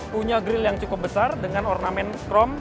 punya grill yang cukup besar dengan ornamen strong